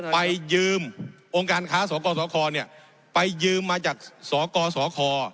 ไปยืมโรงการค้าสสคเนี่ยไปยืมมาจากสสค